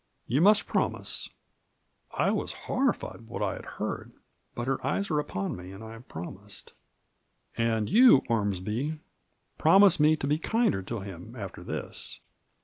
" You must promise." I was horrified by what I had heard ; but her eyes were upon me, and I promised. "And you, Ormsby, promise me to be kinder to him after this."